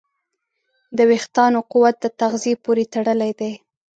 د وېښتیانو قوت د تغذیې پورې تړلی دی.